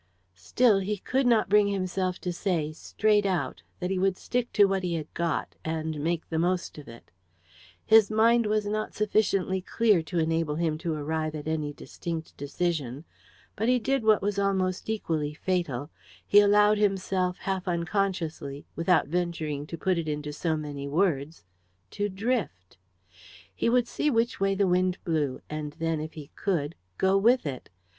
Still, he could not bring himself to say, straight out, that he would stick to what he had got, and make the most of it. His mind was not sufficiently clear to enable him to arrive at any distinct decision. But he did what was almost equally fatal, he allowed himself, half unconsciously without venturing to put it into so many words to drift. He would see which way the wind blew, and then, if he could, go with it.